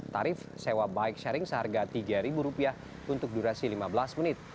tarif sewa bike sharing seharga rp tiga untuk durasi lima belas menit